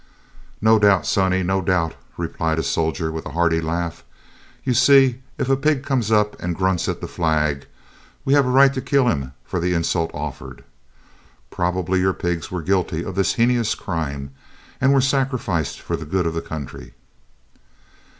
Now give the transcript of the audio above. "No doubt, sonny, no doubt," replied a soldier with a hearty laugh. "You see, if a pig comes up and grunts at the flag, we have a right to kill him for the insult offered. Probably your pigs were guilty of this heinous crime, and were sacrificed for the good of the country."